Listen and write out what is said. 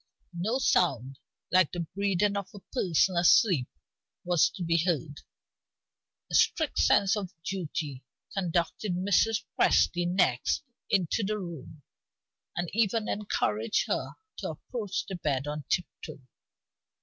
No sound like the breathing of a person asleep was to be heard. A strict sense of duty conducted Mrs. Presty next into the room, and even encouraged her to approach the bed on tip toe.